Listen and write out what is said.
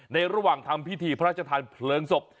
ในระหว่างทำพิธีพระราชธรรมเผลิงศพ